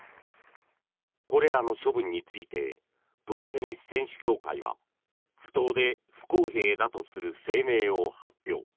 これらの処分についてプロテニス選手協会は不当で不公平だとする声明を発表。